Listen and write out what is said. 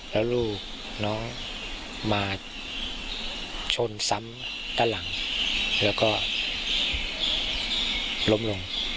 แล้วลูกน้องมาชนซ้ำด้านหลังแล้วก็ล้มลง